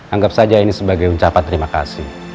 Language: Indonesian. anggap saja ini sebagai ucapan terima kasih